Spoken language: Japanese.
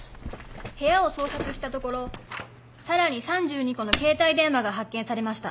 部屋を捜索したところさらに３２個の携帯電話が発見されました。